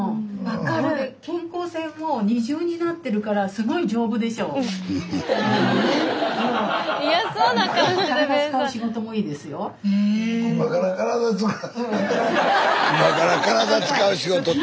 スタジオ今から体使う仕事って。